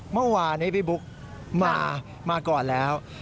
เมื่อวานนี้พี่บุ๊กมาก่อนแล้ว